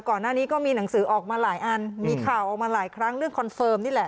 ก่อนหน้านี้ก็มีหนังสือออกมาหลายอันมีข่าวออกมาหลายครั้งเรื่องคอนเฟิร์มนี่แหละ